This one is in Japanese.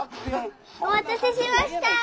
お待たせしました！